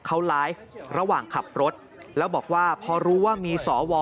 เขาไลฟ์ระหว่างขับรถแล้วบอกว่าพอรู้ว่ามีสว